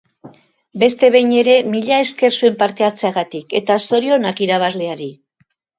Beste behin ere, mila esker zuen parte hartzeagatik eta zorionak irabazleari!